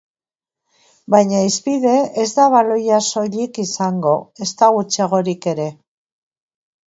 Baina hizpide ez da baloia soilik izango, ezta gutxiagorik ere.